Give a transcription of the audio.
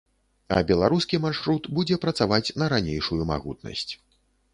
А беларускі маршрут будзе працаваць на ранейшую магутнасць.